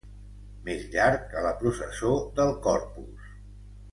Més llarg que la processó del Corpus.